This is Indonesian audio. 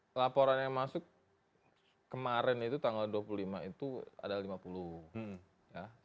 pelaporan yang masuk kemarin itu tanggal dua puluh lima itu ada lima puluh ya